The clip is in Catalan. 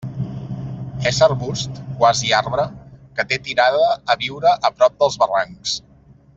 És arbust, quasi arbre, que té tirada a viure a prop dels barrancs.